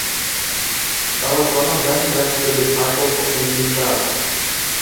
Bella Donna then left The Disciples of the New Church.